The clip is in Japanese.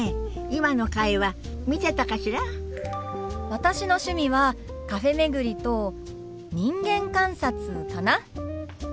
私の趣味はカフェ巡りと人間観察かな。